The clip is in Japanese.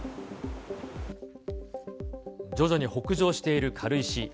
徐々に北上している軽石。